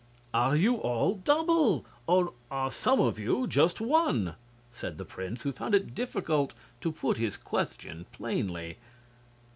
"Are you all double? or are some of you just one?" said the prince, who found it difficult to put his question plainly.